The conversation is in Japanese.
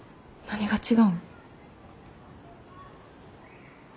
何が違うん？